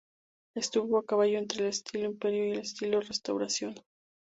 Estuvo a caballo entre el estilo Imperio y el estilo Restauración.